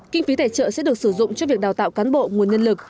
kinh phí tài trợ sẽ được sử dụng cho việc đào tạo cán bộ nguồn nhân lực